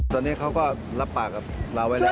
ตอนนี้เขาก็รับปากกับเราไว้แล้ว